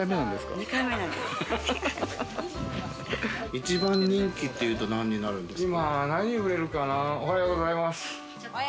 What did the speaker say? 一番人気っていうと、何になるんですか？